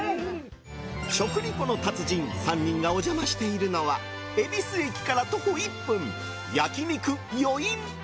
食リポの達人３人がお邪魔しているのは恵比寿駅から徒歩１分焼肉よいん。